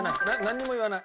なんにも言わない。